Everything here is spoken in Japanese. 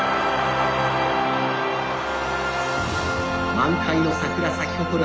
満開の桜咲き誇る